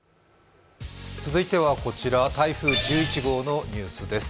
続いては台風１１号のニュースです。